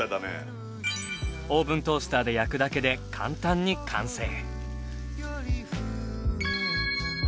オーブントースターで焼くだけで簡単に完成。